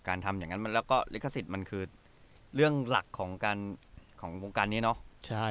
ทำอย่างนั้นแล้วก็ลิขสิทธิ์มันคือเรื่องหลักของวงการนี้เนาะ